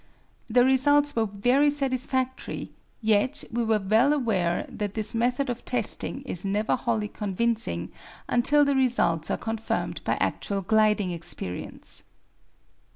The results were very satisfactory, yet we were well aware that this method of testing is never wholly convincing until the results are confirmed by actual gliding experience.